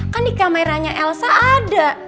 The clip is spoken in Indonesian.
kan di kameranya elsa ada